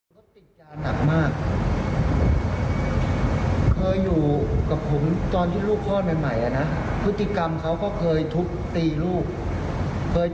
เคยจับขาเอาหัวลงดินเวียงขึ้นไปขึ้นมาจนผมไม่ทราบนะคืออยู่อีกห้องหนึ่ง